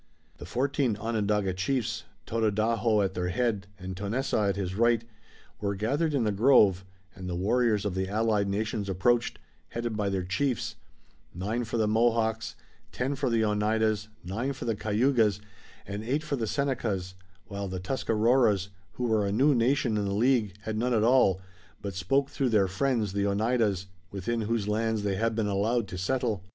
The fourteen Onondaga chiefs, Tododaho at their head and Tonessaah at his right, were gathered in the grove, and the warriors of the allied nations approached, headed by their chiefs, nine for the Mohawks, ten for the Oneidas, nine for the Cayugas, and eight for the Senecas, while the Tuscaroras, who were a new nation in the League, had none at all, but spoke through their friends, the Oneidas, within whose lands they had been allowed to settle.